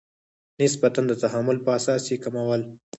نسبتا د تحمل په اساس یې کمول.